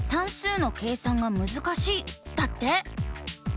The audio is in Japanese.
だって。